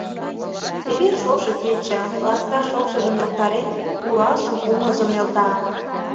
Чевер шошо кече, ласка шокшыжым йоктарен, куралшын кумылжым нӧлта...